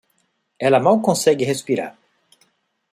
Ela mal consegue respirar